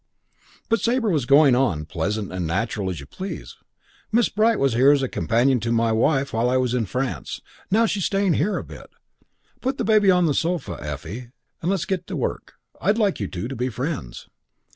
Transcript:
"But Sabre was going on, pleasant and natural as you please. 'Miss Bright was here as companion to my wife while I was in France. Now she's staying here a bit. Put the baby on the sofa, Effie, and let's get to work. I'd like you two to be friends.